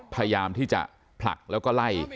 พยายามที่จะผลักแล้วก็ไล่